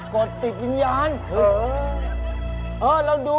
กดติดวิญญาณ